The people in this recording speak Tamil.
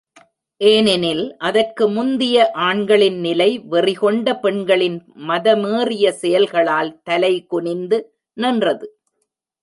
ஏனெனில், அதற்கு முந்திய ஆண்களின் நிலை வெறிகொண்ட பெண்களின் மதமேறியச் செயல்களால் தலை குனிந்து நின்றது.